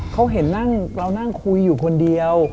เขาเห็นเรานั่งคุยอยู่คนเดียว